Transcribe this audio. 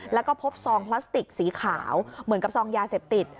แล้วก็พบซองพลาสติกสีขาวเหมือนกับซองยาเสพติด